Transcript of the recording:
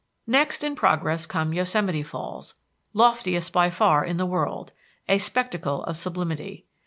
Next in progress come Yosemite Falls, loftiest by far in the world, a spectacle of sublimity.